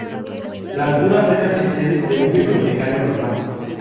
La altura apenas excede de un bibliotecario normal.